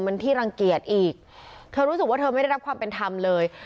มันที่รังเกียจอีกเธอรู้สึกว่าเธอไม่ได้รับความเป็นธรรมเลย